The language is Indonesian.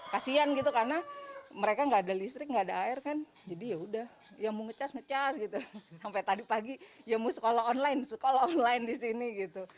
kasian gitu karena mereka nggak ada listrik nggak ada air kan jadi yaudah ya mau ngecas ngecas gitu sampai tadi pagi ya mau sekolah online sekolah online di sini gitu